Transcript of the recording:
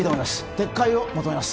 撤回を求めます